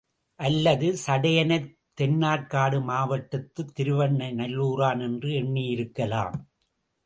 அல்லது சடையனைத் தென்னார்க்காடு மாவட்டத்துத் திருவெண்ணெய் நல்லூரான் என்று எண்ணியிருக்கலாம்.